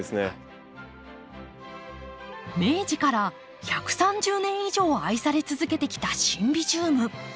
明治から１３０年以上愛され続けてきたシンビジウム。